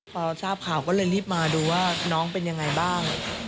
พอทราบข่าวก็เลยรีบมาดูว่าน้องเป็นยังไงบ้าง